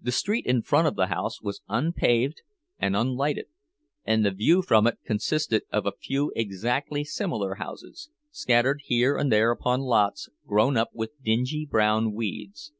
The street in front of the house was unpaved and unlighted, and the view from it consisted of a few exactly similar houses, scattered here and there upon lots grown up with dingy brown weeds.